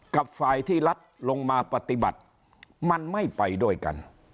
กับฝ่ายที่รัฐลงมาปฏิบัติมันไม่ไปด้วยกัน